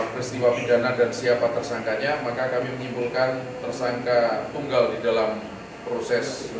peristiwa pidana dan siapa tersangkanya maka kami menyimpulkan tersangka tunggal di dalam proses